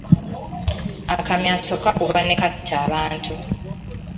Akamyaso kakuba ne katta abantu.